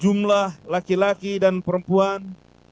jumlah laki laki dan perempuan satu delapan dua dua empat empat dua